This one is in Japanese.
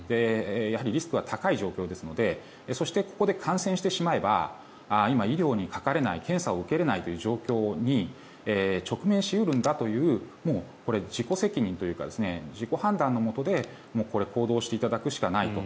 やはりリスクは高い状況ですのでそして、ここで感染してしまえば今、医療にかかれない検査を受けられないという状況に直面し得るんだというこれ、自己責任というか自己判断のもとで行動していただくしかないと。